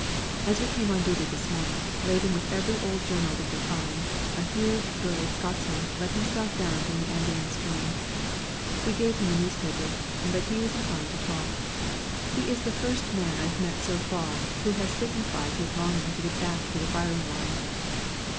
As we came on duty this morning, laden with every old journal we could find, a huge, burly Scotsman let himself down from the ambulance train. We gave him a newspaper, but he was inclined to talk. He is the first man I've met so far who has signified his longing to get back to the firing line.